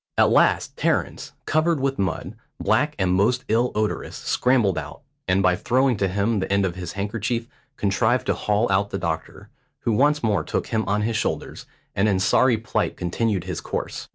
At last Terence, covered with mud, black and most ill odorous, scrambled out, and, by throwing to him the end of his handkerchief, contrived to haul out the doctor, who once more took him on his shoulders, and in sorry plight continued his course.